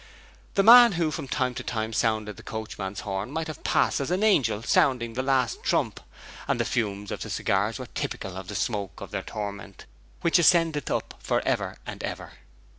The man who from time to time sounded the coachman's horn might have passed as the angel sounding the last trump, and the fumes of the cigars were typical of the smoke of their torment, which ascendeth up for ever and ever.